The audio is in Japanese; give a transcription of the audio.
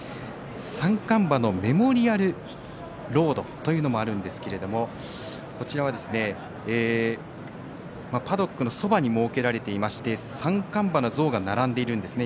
三冠馬のメモリアルロードというのもあるんですけどもこちらは、パドックのそばに設けられていまして三冠馬の像が並んでいるんですね。